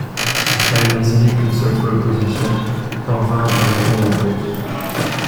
Elle n'a signé qu'une seule pole position en vingt apparitions en course.